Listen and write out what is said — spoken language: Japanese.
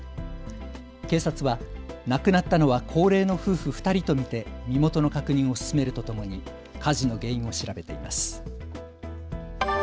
警察は亡くなったのは高齢の夫婦２人と見て身元の確認を進めるとともに火事の原因を調べています。